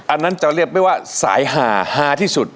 อันนั้นจะเรียกได้ว่าสายหาฮาที่สุด